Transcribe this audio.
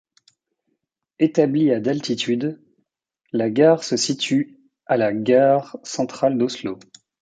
Établie à d'altitude, la gare se situe à de la gare centrale d'Oslo.